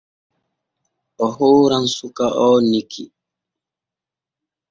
O hooran suka on Niki.